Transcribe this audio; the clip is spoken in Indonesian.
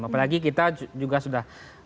apalagi kita juga sudah